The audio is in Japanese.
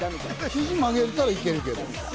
肘曲げたらいけるけど。